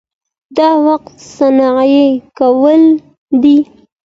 دا وخت ضایع کول دي.